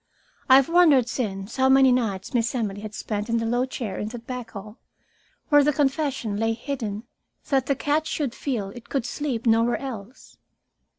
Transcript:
I have wondered since how many nights Miss Emily had spent in the low chair in that back hall, where the confession lay hidden, that the cat should feel it could sleep nowhere else.